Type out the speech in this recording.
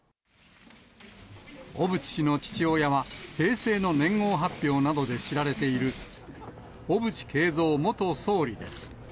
小渕氏の父親は、平成の年号発表などで知られている小渕恵三元総理です。